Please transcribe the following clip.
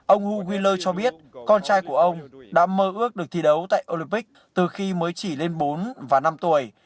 ông hu wiler cho biết con trai của ông đã mơ ước được thi đấu tại olympic từ khi mới chỉ lên bốn và năm tuổi